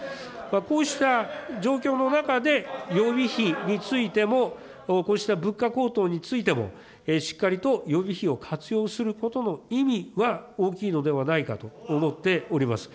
こうした状況の中で予備費についても、こうした物価高騰についても、しっかりと予備費を活用することの意味は大きいのではないかと思っております。